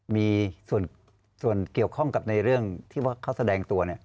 มีส่วนเกี่ยวข้องกับในเรื่องที่ว่าเขาแสดงตัว